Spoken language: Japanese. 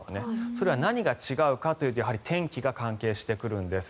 それは何が違うかというとやはり天気が関係してくるんです。